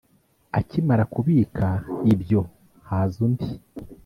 Akimara kubika ibyo haza undi